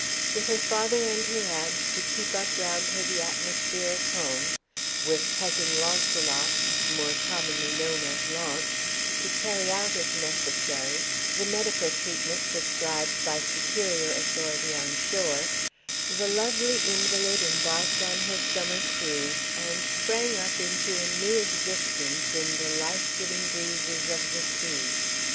With her father and her aunt to keep up round her the atmosphere of home with Cousin Launcelot (more commonly known as "Launce") to carry out, if necessary, the medical treatment prescribed by superior authority on shore the lovely invalid embarked on her summer cruise, and sprang up into a new existence in the life giving breezes of the sea.